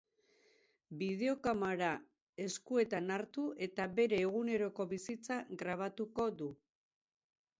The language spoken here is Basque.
Bideo kamara eskuetan hartu eta bere eguneroko bizitza grabatuko du.